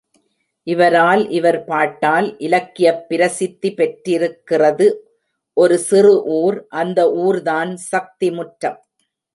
இவரால், இவர், பாட்டால் இலக்கியப் பிரசித்தி பெற்றிருக்கிறது ஒரு சிறு ஊர், அந்த ஊர்தான் சக்திமுற்றம்.